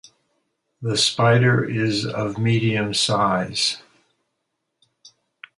The spider is of medium size.